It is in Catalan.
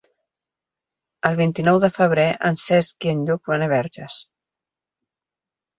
El vint-i-nou de febrer en Cesc i en Lluc van a Verges.